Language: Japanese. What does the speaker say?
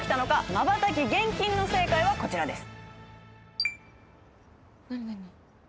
まばたき厳禁の正解はこちらです。